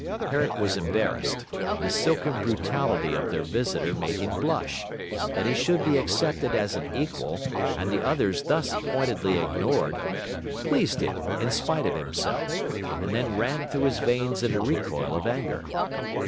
Herrick was embarrassed; the silken brutality of their visitor made him blush; that he should be accepted as an equal, and the others thus pointedly ignored, pleased him in spite of himself, and then ran through his veins in a recoil of anger.